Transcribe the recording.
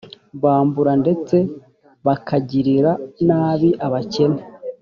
bambura ndetse bakagirira nabi abakene